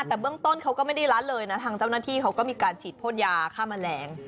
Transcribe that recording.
อะแต่เมื่องต้นเค้าก็ไม่ได้หลัดเลยน่ะทางเจ้านาทีเค้าก็มีการฉีดโพรตยาค่าแมลง